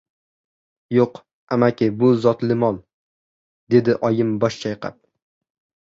— Yo‘q, amaki, bu zotli mol, — dedi oyim bosh chayqab.